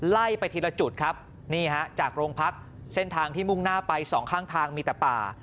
ไล่ไปทีละจุดครับนี่ฮะจากโรงพักเส้นทางที่มุ่งหน้าไปสองข้างทางมีแต่ป่า